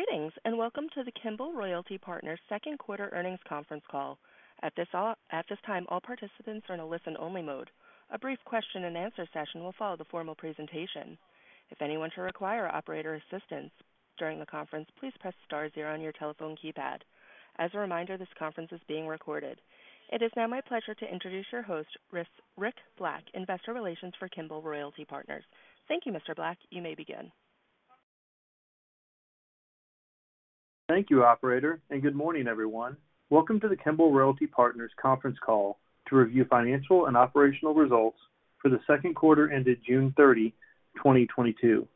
Greetings, and welcome to the Kimbell Royalty Partners second quarter earnings conference call. At this time, all participants are in a listen-only mode. A brief question-and-answer session will follow the formal presentation. If anyone should require operator assistance during the conference, please press star zero on your telephone keypad. As a reminder, this conference is being recorded. It is now my pleasure to introduce your host, Rick Black, Investor Relations for Kimbell Royalty Partners. Thank you, Mr. Black. You may begin. Thank you, operator, and good morning, everyone. Welcome to the Kimbell Royalty Partners conference call to review financial and operational results for the second quarter ended June 30, 2022.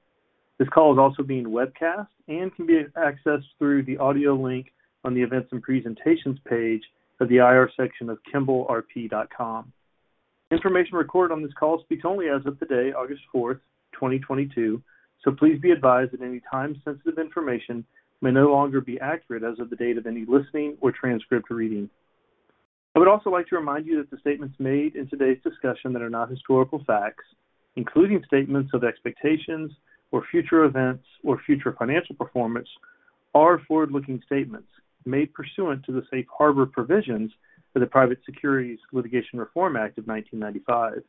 This call is also being webcast and can be accessed through the audio link on the Events and Presentations page of the IR section of kimbellrp.com. Information recorded on this call speaks only as of today, August 4, 2022, so please be advised that any time-sensitive information may no longer be accurate as of the date of any listening or transcript reading. I would also like to remind you that the statements made in today's discussion that are not historical facts, including statements of expectations or future events or future financial performance, are forward-looking statements made pursuant to the Safe Harbor provisions for the Private Securities Litigation Reform Act of 1995.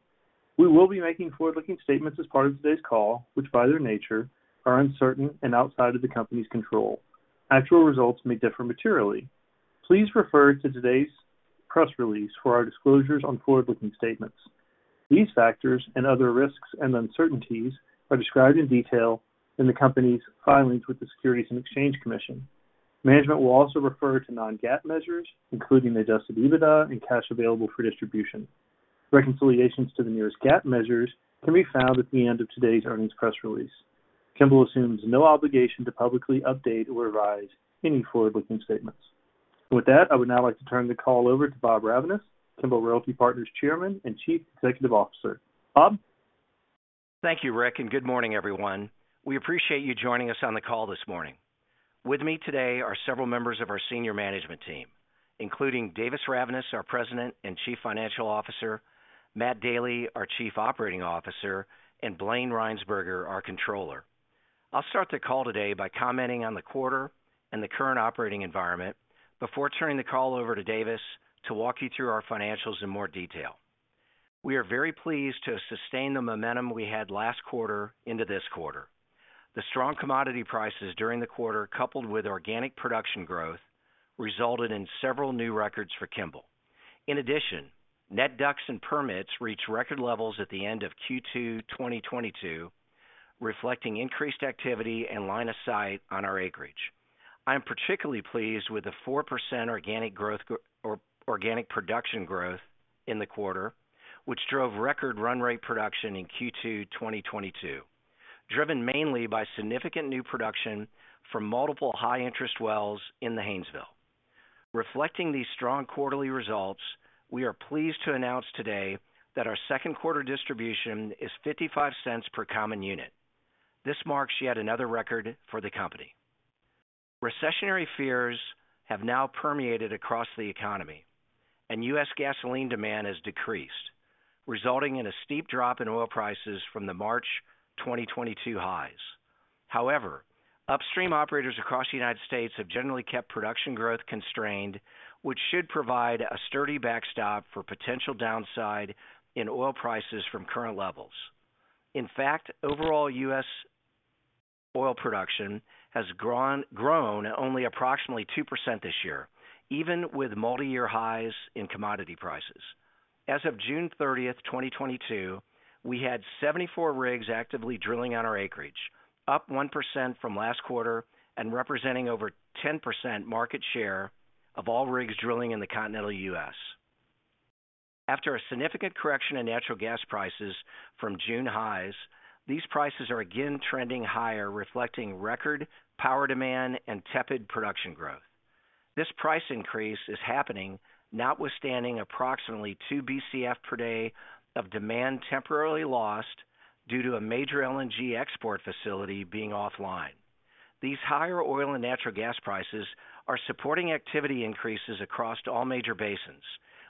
We will be making forward-looking statements as part of today's call, which by their nature are uncertain and outside of the company's control. Actual results may differ materially. Please refer to today's press release for our disclosures on forward-looking statements. These factors and other risks and uncertainties are described in detail in the company's filings with the Securities and Exchange Commission. Management will also refer to non-GAAP measures, including Adjusted EBITDA and Cash Available for Distribution. Reconciliations to the nearest GAAP measures can be found at the end of today's earnings press release. Kimbell assumes no obligation to publicly update or revise any forward-looking statements. With that, I would now like to turn the call over to Bob Ravnaas, Kimbell Royalty Partners Chairman and Chief Executive Officer. Bob? Thank you, Rick, and good morning, everyone. We appreciate you joining us on the call this morning. With me today are several members of our senior management team, including Davis Ravnaas, our President and Chief Financial Officer, Matt Daly, our Chief Operating Officer, and Blayne Rhynsburger, our Controller. I'll start the call today by commenting on the quarter and the current operating environment before turning the call over to Davis to walk you through our financials in more detail. We are very pleased to have sustained the momentum we had last quarter into this quarter. The strong commodity prices during the quarter, coupled with organic production growth, resulted in several new records for Kimbell. In addition, net DUCs and permits reached record levels at the end of Q2 2022, reflecting increased activity and line of sight on our acreage. I am particularly pleased with the 4% organic production growth in the quarter, which drove record run rate production in Q2 2022, driven mainly by significant new production from multiple high-interest wells in the Haynesville. Reflecting these strong quarterly results, we are pleased to announce today that our second quarter distribution is $0.55 per common unit. This marks yet another record for the company. Recessionary fears have now permeated across the economy, and U.S. gasoline demand has decreased, resulting in a steep drop in oil prices from the March 2022 highs. However, upstream operators across the United States have generally kept production growth constrained, which should provide a sturdy backstop for potential downside in oil prices from current levels. In fact, overall U.S. oil production has grown only approximately 2% this year, even with multi-year highs in commodity prices. As of June 30th, 2022, we had 74 rigs actively drilling on our acreage, up 1% from last quarter and representing over 10% market share of all rigs drilling in the continental U.S. After a significant correction in natural gas prices from June highs, these prices are again trending higher, reflecting record power demand and tepid production growth. This price increase is happening notwithstanding approximately 2 Bcf per day of demand temporarily lost due to a major LNG export facility being offline. These higher oil and natural gas prices are supporting activity increases across all major basins,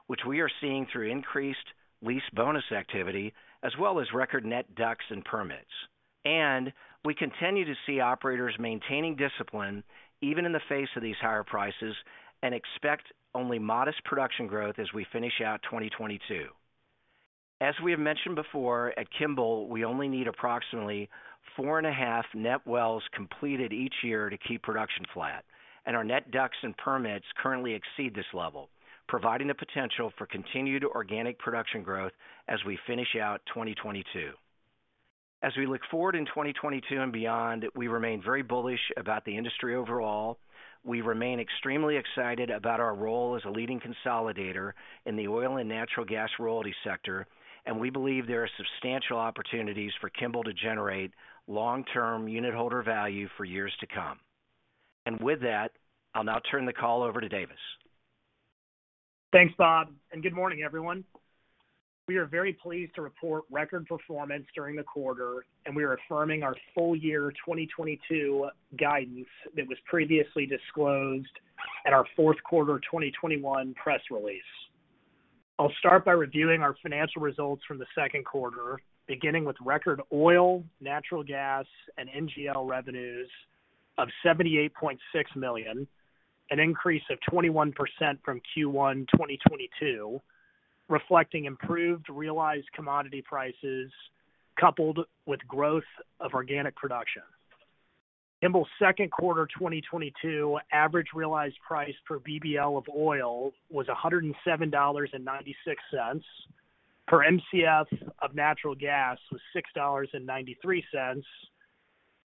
which we are seeing through increased lease bonus activity as well as record net DUCs and permits. We continue to see operators maintaining discipline even in the face of these higher prices and expect only modest production growth as we finish out 2022. As we have mentioned before, at Kimbell, we only need approximately 4.5 net wells completed each year to keep production flat, and our net DUCs and permits currently exceed this level, providing the potential for continued organic production growth as we finish out 2022. As we look forward in 2022 and beyond, we remain very bullish about the industry overall. We remain extremely excited about our role as a leading consolidator in the oil and natural gas royalty sector, and we believe there are substantial opportunities for Kimbell to generate long-term unitholder value for years to come. With that, I'll now turn the call over to Davis. Thanks, Bob, and good morning, everyone. We are very pleased to report record performance during the quarter, and we are affirming our full year 2022 guidance that was previously disclosed at our fourth quarter 2021 press release. I'll start by reviewing our financial results from the second quarter, beginning with record oil, natural gas, and NGL revenues of $78.6 million, an increase of 21% from Q1 2022, reflecting improved realized commodity prices coupled with growth of organic production. Kimbell's second quarter 2022 average realized price per Bbl of oil was $107.96, per Mcf of natural gas was $6.93,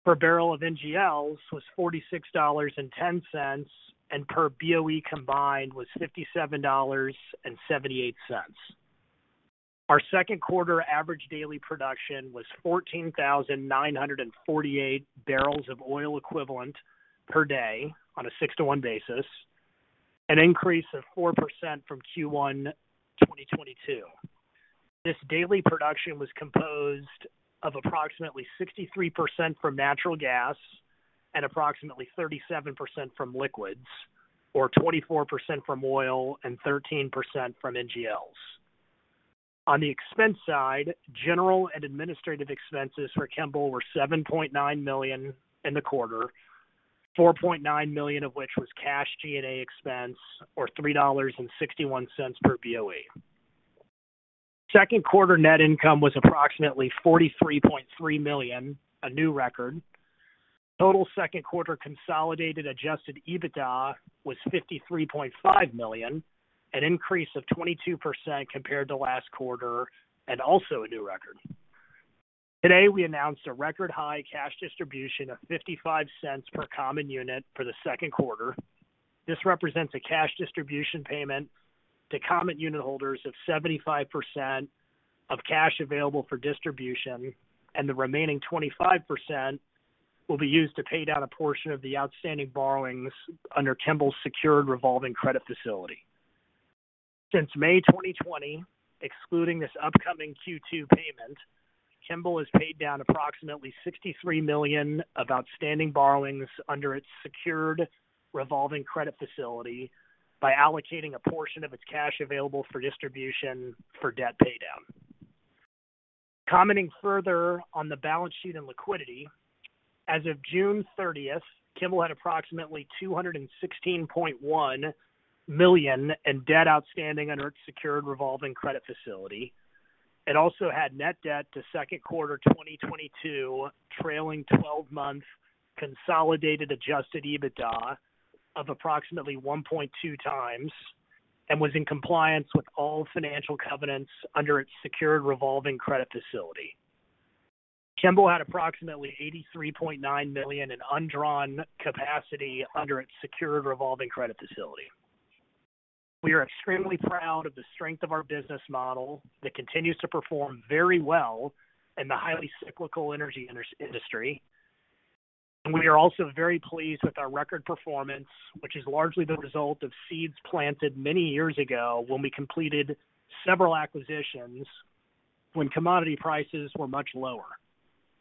per barrel of NGLs was $46.10, and per Boe combined was $57.78. Our second quarter average daily production was 14,948 barrels of oil equivalent per day on a 6-1 basis, an increase of 4% from Q1 2022. This daily production was composed of approximately 63% from natural gas and approximately 37% from liquids, or 24% from oil and 13% from NGLs. On the expense side, general and administrative expenses for Kimbell were $7.9 million in the quarter, $4.9 million of which was cash G&A expense or $3.61 per Boe. Second quarter net income was approximately $43.3 million, a new record. Total second quarter consolidated adjusted EBITDA was $53.5 million, an increase of 22% compared to last quarter and also a new record. Today, we announced a record high cash distribution of $0.55 per common unit for the second quarter. This represents a cash distribution payment to common unit holders of 75% of cash available for distribution, and the remaining 25% will be used to pay down a portion of the outstanding borrowings under Kimbell's secured revolving credit facility. Since May 2020, excluding this upcoming Q2 payment, Kimbell has paid down approximately $63 million of outstanding borrowings under its secured revolving credit facility by allocating a portion of its cash available for distribution for debt paydown. Commenting further on the balance sheet and liquidity. As of June 30th, Kimbell had approximately $216.1 million in debt outstanding under its secured revolving credit facility. It also had net debt to second quarter 2022, trailing twelve-month consolidated adjusted EBITDA of approximately 1.2x and was in compliance with all financial covenants under its secured revolving credit facility. Kimbell had approximately $83.9 million in undrawn capacity under its secured revolving credit facility. We are extremely proud of the strength of our business model that continues to perform very well in the highly cyclical energy industry. We are also very pleased with our record performance, which is largely the result of seeds planted many years ago when we completed several acquisitions when commodity prices were much lower.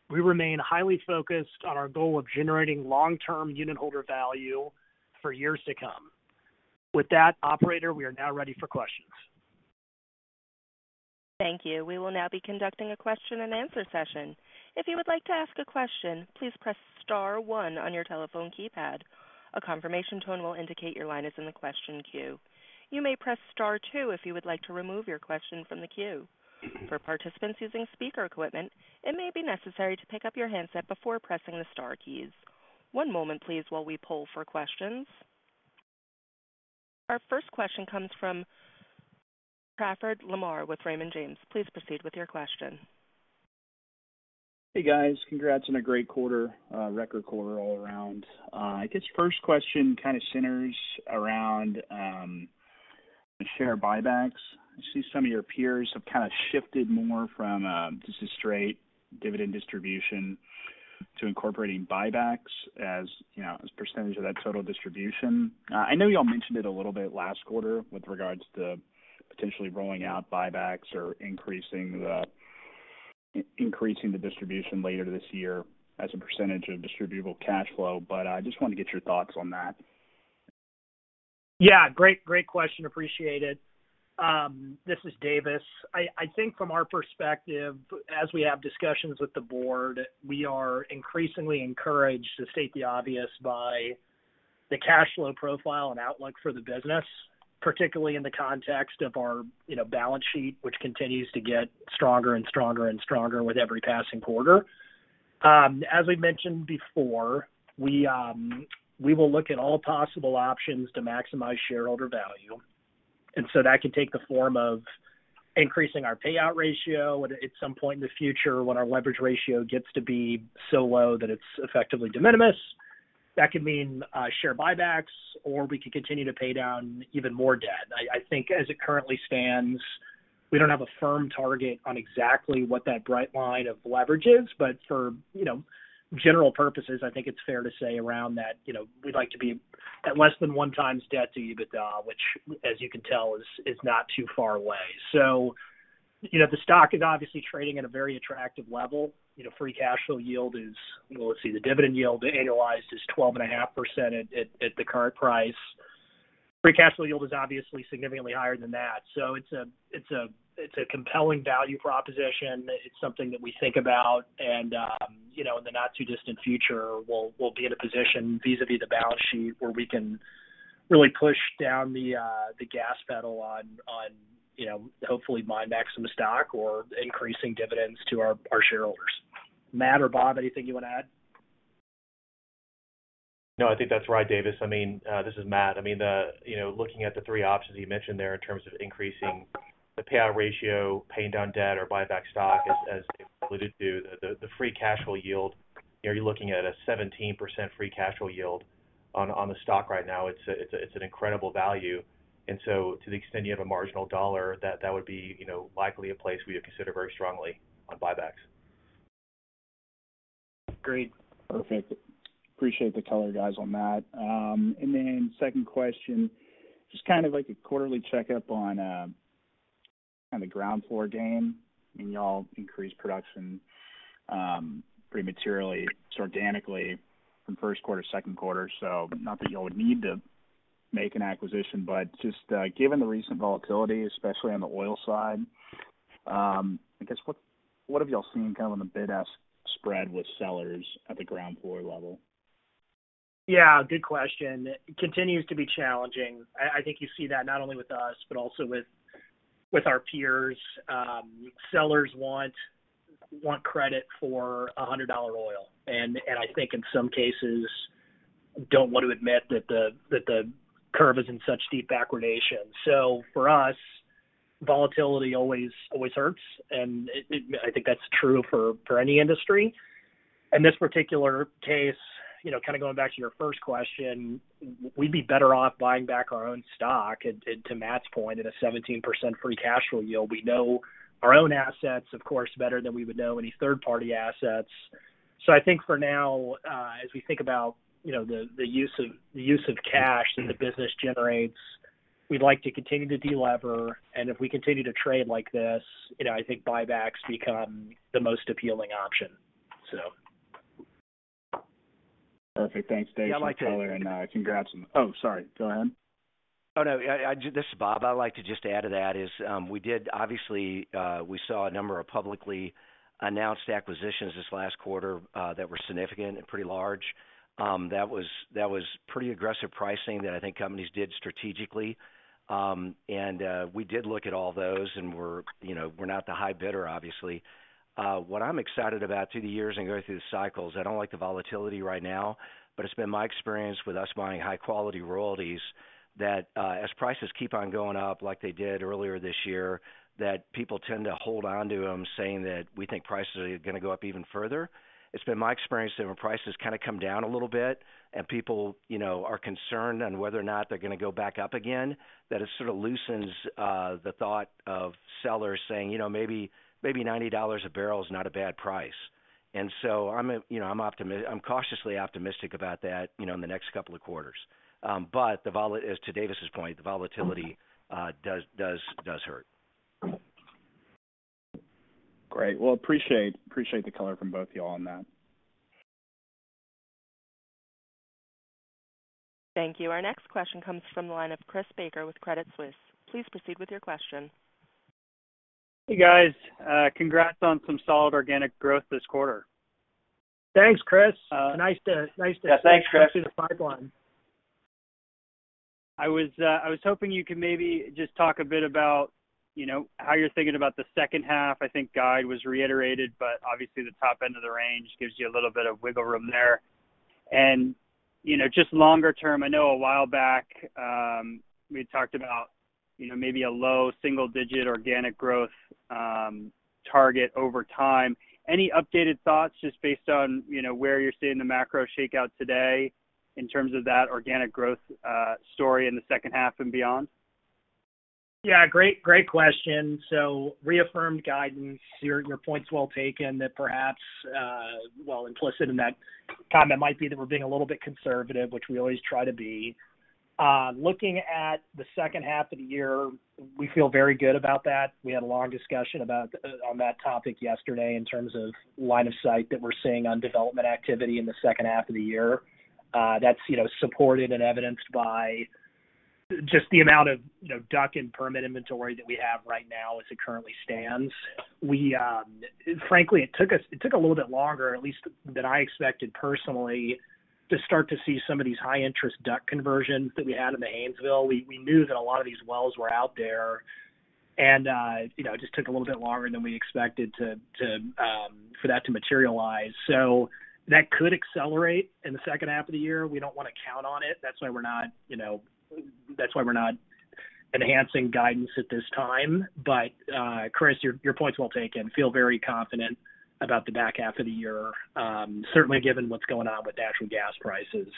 We remain highly focused on our goal of generating long-term unitholder value for years to come. With that, operator, we are now ready for questions. Thank you. We will now be conducting a question and answer session. If you would like to ask a question, please press star one on your telephone keypad. A confirmation tone will indicate your line is in the question queue. You may press star two if you would like to remove your question from the queue. For participants using speaker equipment, it may be necessary to pick up your handset before pressing the star keys. One moment please while we poll for questions. Our first question comes from Trafford Lamar with Raymond James. Please proceed with your question. Hey, guys. Congrats on a great quarter, record quarter all around. I guess first question kind of centers around share buybacks. I see some of your peers have kind of shifted more from just a straight dividend distribution to incorporating buybacks as, you know, as a percentage of that total distribution. I know y'all mentioned it a little bit last quarter with regards to potentially rolling out buybacks or increasing the distribution later this year as a percentage of distributable cash flow, but I just wanted to get your thoughts on that. Yeah. Great, great question. Appreciate it. This is Davis. I think from our perspective, as we have discussions with the board, we are increasingly encouraged to state the obvious by the cash flow profile and outlook for the business, particularly in the context of our, you know, balance sheet, which continues to get stronger and stronger and stronger with every passing quarter. As we mentioned before, we will look at all possible options to maximize shareholder value, and so that can take the form of increasing our payout ratio at some point in the future when our leverage ratio gets to be so low that it's effectively de minimis. That could mean share buybacks, or we could continue to pay down even more debt. I think as it currently stands, we don't have a firm target on exactly what that bright line of leverage is. For, you know, general purposes, I think it's fair to say around that, you know, we'd like to be at less than one times debt to EBITDA, which as you can tell is not too far away. You know, the stock is obviously trading at a very attractive level. You know, free cash flow yield is, well, let's see, the dividend yield annualized is 12.5% at the current price. Free cash flow yield is obviously significantly higher than that. It's a compelling value proposition. It's something that we think about. You know, in the not-too-distant future, we'll be in a position vis-à-vis the balance sheet where we can really push down the gas pedal on you know, hopefully buyback some stock or increasing dividends to our shareholders. Matt or Bob, anything you wanna add? No, I think that's right, Davis. I mean, this is Matt. I mean, the You know, looking at the three options you mentioned there in terms of increasing the payout ratio, paying down debt, or buyback stock as accretive to the free cash flow yield, you know, you're looking at a 17% free cash flow yield on the stock right now. It's an incredible value. To the extent you have a marginal dollar, that would be, you know, likely a place we would consider very strongly on buybacks. Great. Perfect. Appreciate the color, guys, on that. Second question, just kind of like a quarterly checkup on the ground floor game. I mean, y'all increased production pretty materially sort of organically from first quarter to second quarter. Not that y'all would need to make an acquisition, but just given the recent volatility, especially on the oil side, I guess what have y'all seen kind of on the bid-ask spread with sellers at the ground floor level? Yeah, good question. Continues to be challenging. I think you see that not only with us, but also with our peers. Sellers want credit for $100 oil, and I think in some cases don't want to admit that the curve is in such deep backwardation. Volatility always hurts. I think that's true for any industry. In this particular case, you know, kinda going back to your first question, we'd be better off buying back our own stock, and to Matt's point, at a 17% free cash flow yield. We know our own assets, of course, better than we would know any third-party assets. I think for now, as we think about, you know, the use of cash that the business generates, we'd like to continue to delever. If we continue to trade like this, you know, I think buybacks become the most appealing option. Perfect. Thanks, Davis, for the color. Yeah, I'd like to-. Oh, sorry. Go ahead. This is Bob. I'd like to just add to that. We did obviously see a number of publicly announced acquisitions this last quarter that were significant and pretty large. That was pretty aggressive pricing that I think companies did strategically. We did look at all those, and we're, you know, we're not the high bidder, obviously. What I'm excited about through the years and going through the cycles, I don't like the volatility right now, but it's been my experience with us buying high-quality royalties that as prices keep on going up like they did earlier this year, that people tend to hold onto them saying that we think prices are gonna go up even further. It's been my experience that when prices kinda come down a little bit and people, you know, are concerned on whether or not they're gonna go back up again, that it sorta loosens the thought of sellers saying, "You know, maybe $90 a barrel is not a bad price." I'm, you know, cautiously optimistic about that, you know, in the next couple of quarters. As to Davis's point, the volatility does hurt. Great. Well, appreciate the color from both of y'all on that. Thank you. Our next question comes from the line of Chris Baker with Credit Suisse. Please proceed with your question. Hey, guys. Congrats on some solid organic growth this quarter. Thanks, Chris. Uh-. Nice to-. Yeah, thanks, Chris. Nice to see the pipeline. I was hoping you could maybe just talk a bit about, you know, how you're thinking about the second half. I think guide was reiterated, but obviously the top end of the range gives you a little bit of wiggle room there. You know, just longer term, I know a while back, we talked about, you know, maybe a low single-digit organic growth target over time. Any updated thoughts just based on, you know, where you're seeing the macro shakeout today in terms of that organic growth story in the second half and beyond? Yeah, great question. Reaffirmed guidance. Your point's well taken that perhaps, well, implicit in that comment might be that we're being a little bit conservative, which we always try to be. Looking at the second half of the year, we feel very good about that. We had a long discussion about on that topic yesterday in terms of line of sight that we're seeing on development activity in the second half of the year. That's, you know, supported and evidenced by just the amount of, you know, DUC and permit inventory that we have right now as it currently stands. Frankly, it took a little bit longer, at least than I expected personally, to start to see some of these high-interest DUC conversions that we had in the Haynesville. We knew that a lot of these wells were out there. You know, it just took a little bit longer than we expected to for that to materialize. That could accelerate in the second half of the year. We don't wanna count on it. That's why we're not enhancing guidance at this time. Chris, your point's well taken. Feel very confident about the back half of the year, certainly given what's going on with natural gas prices.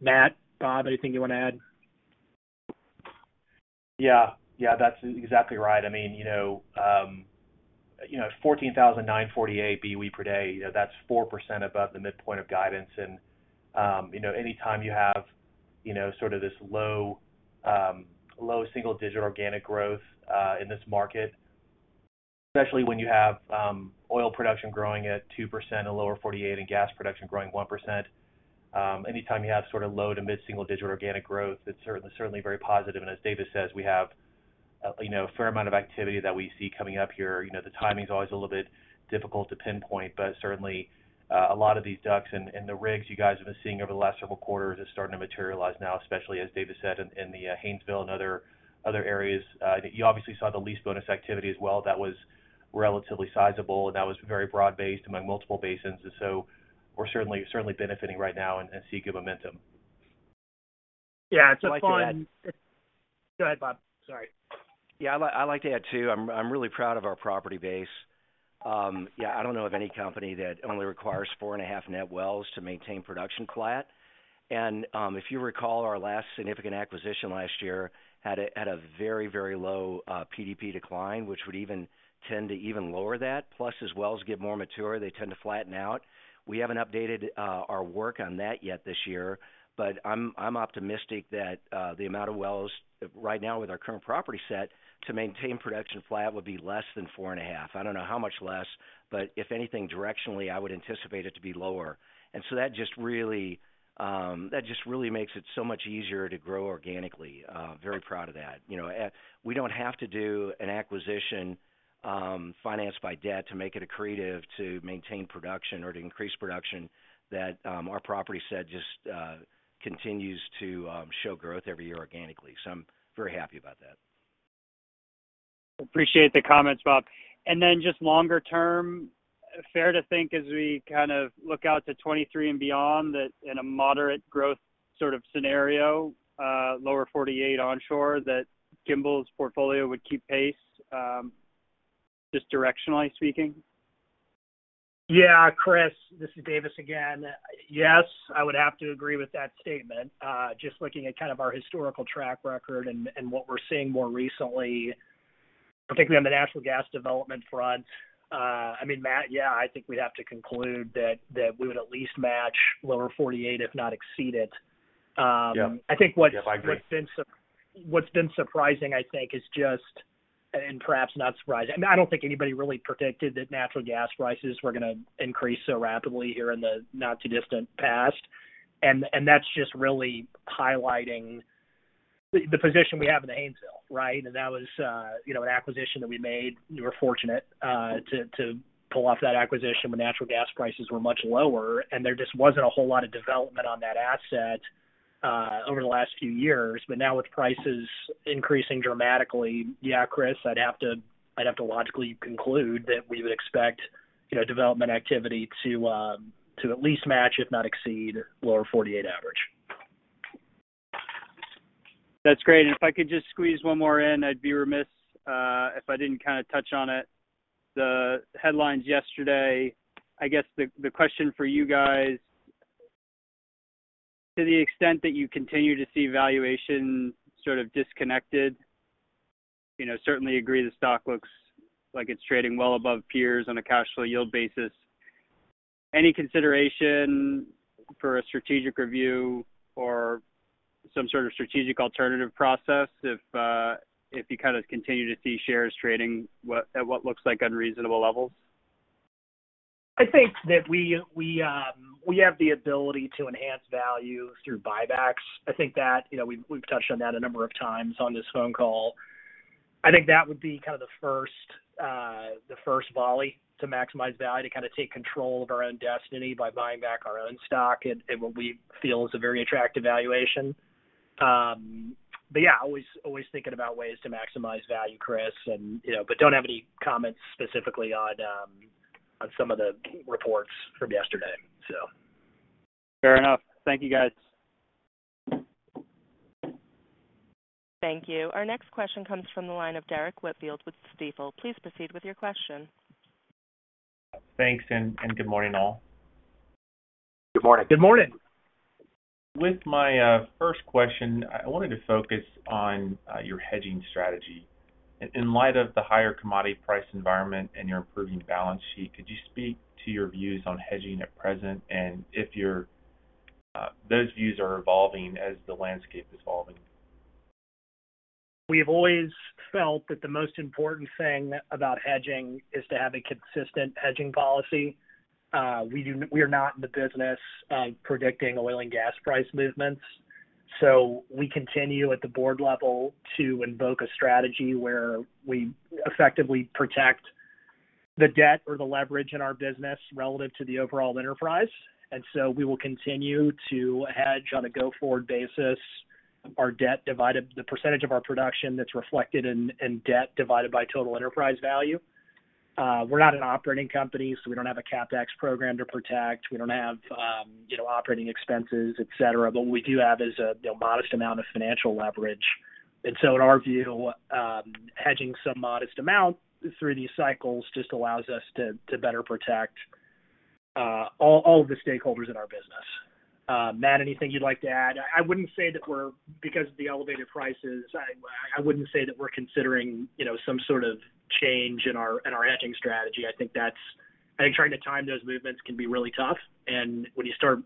Matt, Bob, anything you wanna add? Yeah. Yeah, that's exactly right. I mean, you know, You know, 14,948 Boe per day, you know, that's 4% above the midpoint of guidance. You know, anytime you have, you know, sort of this low single-digit organic growth in this market, especially when you have oil production growing at 2% and lower 48 and gas production growing 1%, anytime you have sort of low to mid-single digit organic growth, it's certainly very positive. As Davis says, we have, you know, a fair amount of activity that we see coming up here. You know, the timing is always a little bit difficult to pinpoint, but certainly a lot of these DUCs and the rigs you guys have been seeing over the last several quarters is starting to materialize now, especially as Davis said in the Haynesville and other areas. You obviously saw the lease bonus activity as well. That was relatively sizable, and that was very broad-based among multiple basins. We're certainly benefiting right now and seeking momentum. Yeah. It's a fun-. I'd like to add. Go ahead, Bob. Sorry. Yeah, I'd like to add, too. I'm really proud of our property base. I don't know of any company that only requires four and a half net wells to maintain production flat. If you recall, our last significant acquisition last year had a very low PDP decline, which would even tend to lower that. Plus, as wells get more mature, they tend to flatten out. We haven't updated our work on that yet this year, but I'm optimistic that the amount of wells right now with our current property set to maintain production flat would be less than four and a half. I don't know how much less, but if anything, directionally, I would anticipate it to be lower. That just really makes it so much easier to grow organically. Very proud of that. You know, we don't have to do an acquisition, financed by debt to make it accretive to maintain production or to increase production that, our property set just, continues to, show growth every year organically. I'm very happy about that. Appreciate the comments, Bob. Just longer term, fair to think as we kind of look out to 2023 and beyond that in a moderate growth sort of scenario, lower 48 onshore, that Kimbell's portfolio would keep pace, just directionally speaking? Yeah. Chris, this is Davis again. Yes, I would have to agree with that statement. Just looking at kind of our historical track record and what we're seeing more recently, particularly on the natural gas development front, I mean, Matt, yeah, I think we'd have to conclude that we would at least match lower forty-eight, if not exceed it. Yeah. I think what. Yeah, I agree. What's been surprising, I think, is just. Perhaps not surprising. I mean, I don't think anybody really predicted that natural gas prices were gonna increase so rapidly here in the not-too-distant past. That's just really highlighting the position we have in the Haynesville, right? That was, you know, an acquisition that we made. We were fortunate to pull off that acquisition when natural gas prices were much lower, and there just wasn't a whole lot of development on that asset over the last few years. But now with prices increasing dramatically, yeah, Chris, I'd have to logically conclude that we would expect, you know, development activity to at least match, if not exceed lower 48 average. That's great. If I could just squeeze one more in, I'd be remiss if I didn't kinda touch on it. The headlines yesterday, I guess the question for you guys, to the extent that you continue to see valuation sort of disconnected, you know, certainly agree the stock looks like it's trading well above peers on a cash flow yield basis. Any consideration for a strategic review or some sort of strategic alternative process if you kinda continue to see shares trading at what looks like unreasonable levels? I think that we have the ability to enhance value through buybacks. I think that, you know, we've touched on that a number of times on this phone call. I think that would be kind of the first volley to maximize value, to kinda take control of our own destiny by buying back our own stock at what we feel is a very attractive valuation. But yeah, always thinking about ways to maximize value, Chris. You know, don't have any comments specifically on some of the reports from yesterday. Fair enough. Thank you, guys. Thank you. Our next question comes from the line of Derrick Whitfield with Stifel. Please proceed with your question. Thanks, good morning, all. Good morning. Good morning. With my first question, I wanted to focus on your hedging strategy. In light of the higher commodity price environment and your improving balance sheet, could you speak to your views on hedging at present and if those views are evolving as the landscape is evolving? We have always felt that the most important thing about hedging is to have a consistent hedging policy. We are not in the business of predicting oil and gas price movements, so we continue at the board level to invoke a strategy where we effectively protect the debt or the leverage in our business relative to the overall enterprise. We will continue to hedge on a go-forward basis, the percentage of our production that's reflected in debt divided by total enterprise value. We're not an operating company, so we don't have a CapEx program to protect. We don't have, you know, operating expenses, et cetera. What we do have is a, you know, modest amount of financial leverage. In our view, hedging some modest amount through these cycles just allows us to better protect all the stakeholders in our business. Matt, anything you'd like to add? I wouldn't say that we're considering, because of the elevated prices, you know, some sort of change in our hedging strategy. I think trying to time those movements can be really tough. When you start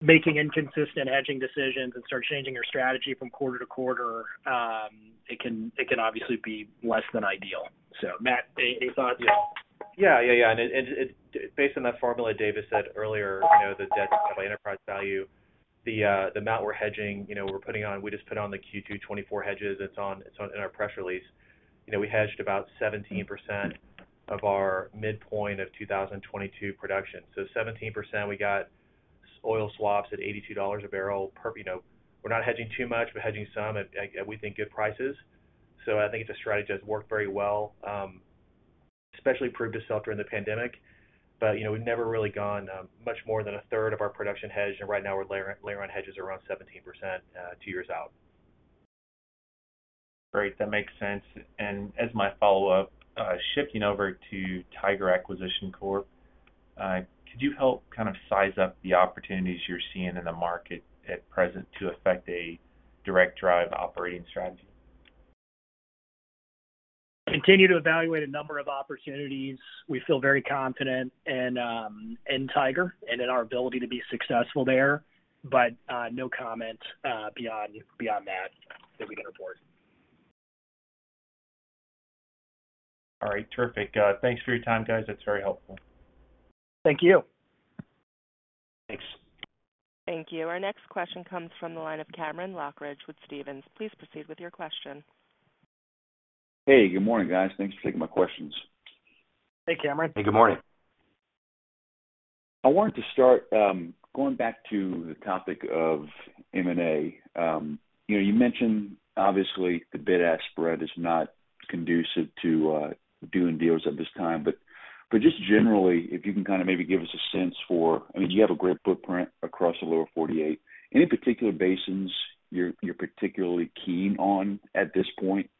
making inconsistent hedging decisions and start changing your strategy from quarter to quarter, it can obviously be less than ideal. Matt, any thoughts? Yeah. It, based on that formula Davis said earlier, you know, the debt to enterprise value, the amount we're hedging, you know, we're putting on. We just put on the Q2 2024 hedges. It's on in our press release. You know, we hedged about 17% of our midpoint of 2022 production. So 17%, we got oil swaps at $82 a barrel, you know. We're not hedging too much. We're hedging some at, we think good prices. So I think it's a strategy that's worked very well, especially proved itself during the pandemic. But, you know, we've never really gone much more than a third of our production hedge. Right now we're layering on hedges around 17%, two years out. Great. That makes sense. As my follow-up, shifting over to Kimbell Tiger Acquisition Corporation, could you help kind of size up the opportunities you're seeing in the market at present to affect a direct drive operating strategy? Continue to evaluate a number of opportunities. We feel very confident in Tiger and in our ability to be successful there, but no comment beyond that we can report. All right, terrific. Thanks for your time, guys. That's very helpful. Thank you. Thanks. Thank you. Our next question comes from the line of Cameron Lochridge with Stephens. Please proceed with your question. Hey, good morning, guys. Thanks for taking my questions. Hey, Cameron. Hey, good morning. I wanted to start going back to the topic of M&A. You know, you mentioned obviously the bid-ask spread is not conducive to doing deals at this time. Just generally, if you can kind of maybe give us a sense for, I mean, you have a great footprint across the lower 48. Any particular basins you're particularly keen on at this point?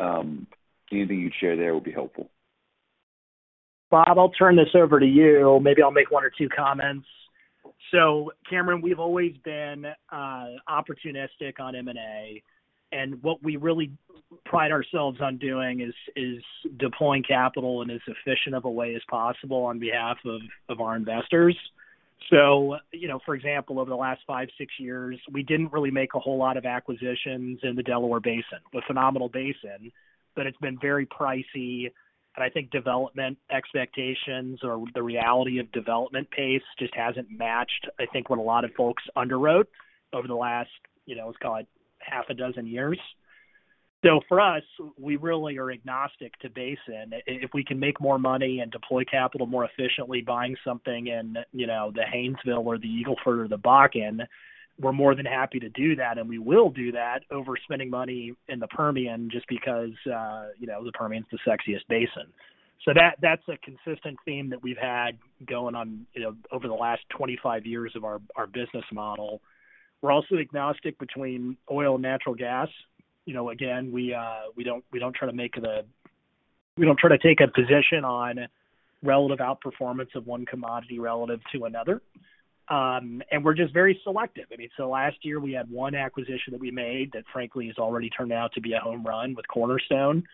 Anything you'd share there would be helpful. Bob, I'll turn this over to you. Maybe I'll make one or two comments. Cameron, we've always been opportunistic on M&A, and what we really pride ourselves on doing is deploying capital in as efficient of a way as possible on behalf of our investors. You know, for example, over the last five, six years, we didn't really make a whole lot of acquisitions in the Delaware Basin. It's a phenomenal basin, but it's been very pricey, and I think development expectations or the reality of development pace just hasn't matched what a lot of folks underwrote over the last, you know, let's call it half a dozen years. For us, we really are agnostic to basin. If we can make more money and deploy capital more efficiently buying something in, you know, the Haynesville or the Eagle Ford or the Bakken, we're more than happy to do that, and we will do that over spending money in the Permian just because, you know, the Permian is the sexiest basin. That's a consistent theme that we've had going on, you know, over the last 25 years of our business model. We're also agnostic between oil and natural gas. You know, again, we don't try to take a position on relative outperformance of one commodity relative to another. And we're just very selective. I mean, last year, we had one acquisition that we made that frankly, has already turned out to be a home run with Cornerstone.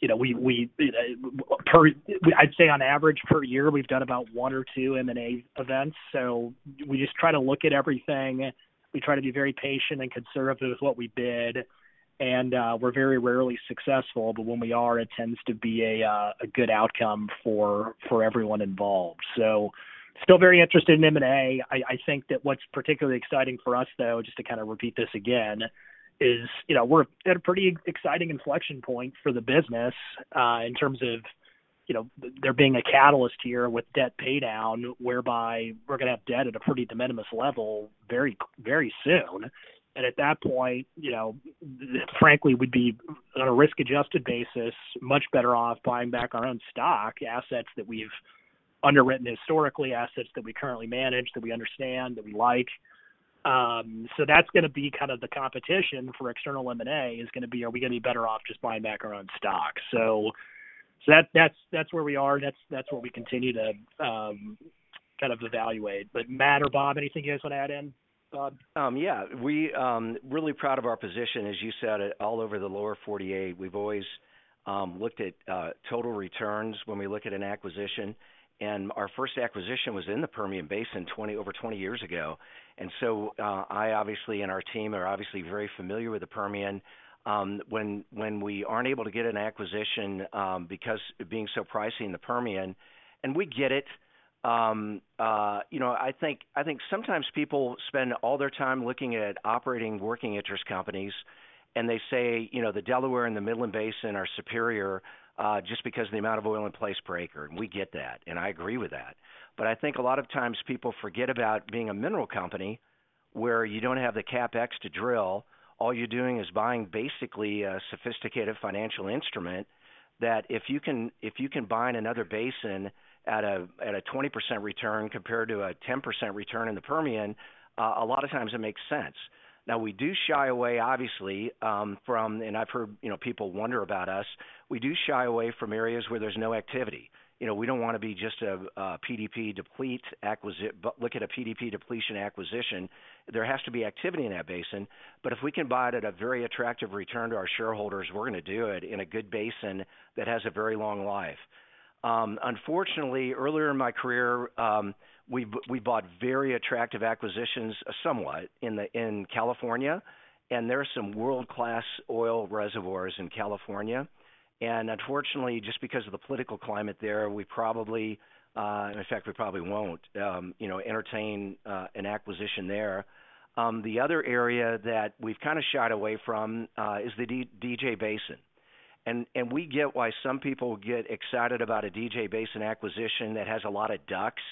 You know, I'd say on average per year, we've done about one or two M&A events. We just try to look at everything. We try to be very patient and conservative with what we bid, and we're very rarely successful, but when we are, it tends to be a good outcome for everyone involved. Still very interested in M&A. I think that what's particularly exciting for us, though, just to kind of repeat this again, is, you know, we're at a pretty exciting inflection point for the business, in terms of, you know, there being a catalyst here with debt paydown, whereby we're gonna have debt at a pretty de minimis level very, very soon. At that point, you know, frankly, we'd be, on a risk-adjusted basis, much better off buying back our own stock, assets that we've underwritten historically, assets that we currently manage, that we understand, that we like. That's gonna be kind of the competition for external M&A, is gonna be, are we gonna be better off just buying back our own stock? That's where we are. That's what we continue to kind of evaluate. Matt or Bob, anything you guys want to add in? Yeah. We're really proud of our position, as you said, all over the lower 48. We've always looked at total returns when we look at an acquisition, and our first acquisition was in the Permian Basin over 20 years ago. I obviously, and our team are obviously very familiar with the Permian. When we aren't able to get an acquisition because it being so pricey in the Permian, and we get it, you know, I think sometimes people spend all their time looking at operating working interest companies, and they say, you know, the Delaware and the Midland Basin are superior just because the amount of oil in place per acre. We get that, and I agree with that. I think a lot of times people forget about being a mineral company where you don't have the CapEx to drill. All you're doing is buying basically a sophisticated financial instrument that if you can buy in another basin at a 20% return compared to a 10% return in the Permian, a lot of times it makes sense. Now we do shy away obviously from areas where there's no activity. You know, we don't wanna be just a PDP depletion acquisition. There has to be activity in that basin. If we can buy it at a very attractive return to our shareholders, we're gonna do it in a good basin that has a very long life. Unfortunately, earlier in my career, we bought very attractive acquisitions, somewhat in California, and there are some world-class oil reservoirs in California. Unfortunately, just because of the political climate there, we probably, in fact, we probably won't, you know, entertain an acquisition there. The other area that we've kinda shied away from is the DJ Basin. We get why some people get excited about a DJ Basin acquisition that has a lot of DUCs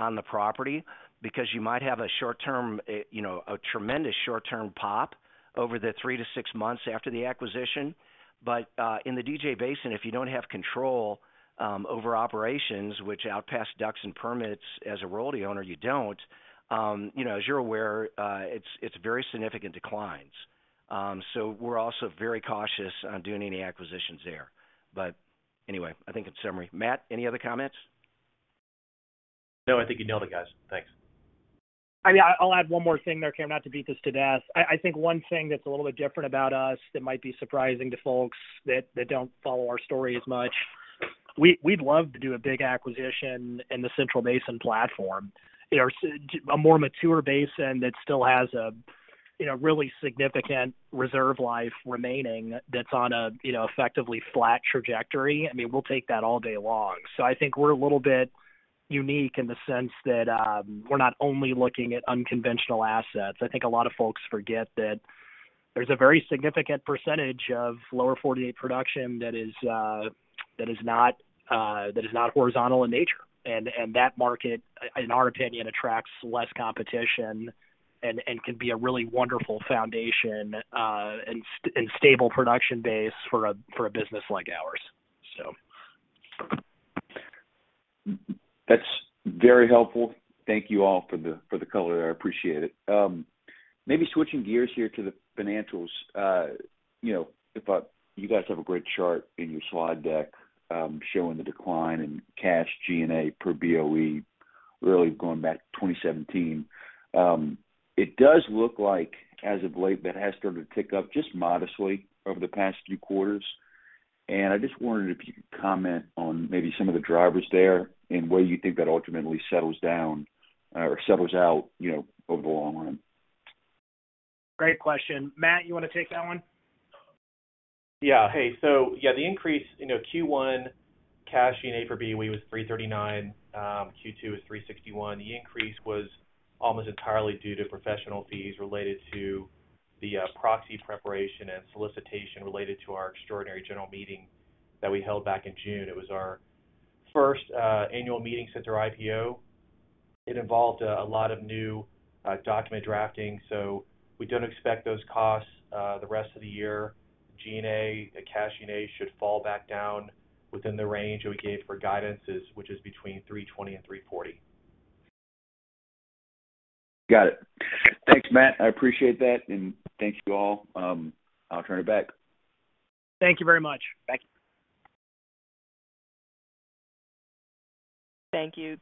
on the property, because you might have a short-term, you know, a tremendous short-term pop over the three to six months after the acquisition. In the DJ Basin, if you don't have control over operations which outpace DUCs and permits, as a royalty owner, you don't, you know, as you're aware, it's very significant declines. We're also very cautious on doing any acquisitions there. Anyway, I think it's summary. Matt, any other comments? No, I think you nailed it, guys. Thanks. I mean, I'll add one more thing there, Cam, not to beat this to death. I think one thing that's a little bit different about us that might be surprising to folks that don't follow our story as much, we'd love to do a big acquisition in the Central Basin Platform. You know, a more mature basin that still has a, you know, really significant reserve life remaining that's on a, you know, effectively flat trajectory. I mean, we'll take that all day long. I think we're a little bit unique in the sense that, we're not only looking at unconventional assets. I think a lot of folks forget that there's a very significant percentage of lower forty-eight production that is not horizontal in nature. That market, in our opinion, attracts less competition and can be a really wonderful foundation and stable production base for a business like ours. That's very helpful. Thank you all for the color. I appreciate it. Maybe switching gears here to the financials. You know, I thought you guys have a great chart in your slide deck, showing the decline in cash G&A per Boe really going back to 2017. It does look like as of late, that has started to tick up just modestly over the past few quarters. I just wondered if you could comment on maybe some of the drivers there and where you think that ultimately settles down or settles out, you know, over the long run. Great question. Matt, you wanna take that one? Yeah. Hey, so yeah, the increase, you know, Q1 cash G&A per Boe was $339, Q2 was $361. The increase was almost entirely due to professional fees related to the proxy preparation and solicitation related to our extraordinary general meeting that we held back in June. It was our first annual meeting since our IPO. It involved a lot of new document drafting, so we don't expect those costs the rest of the year. G&A, the cash G&A should fall back down within the range that we gave for guidance, which is between $320 and $340. Got it. Thanks, Matt. I appreciate that, and thank you all. I'll turn it back. Thank you very much. Thank you. Thank you.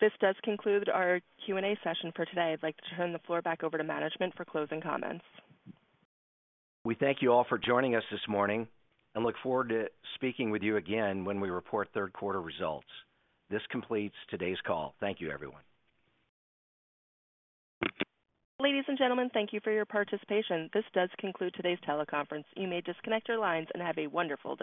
This does conclude our Q&A session for today. I'd like to turn the floor back over to management for closing comments. We thank you all for joining us this morning and look forward to speaking with you again when we report third quarter results. This completes today's call. Thank you, everyone. Ladies and gentlemen, thank you for your participation. This does conclude today's teleconference. You may disconnect your lines and have a wonderful day.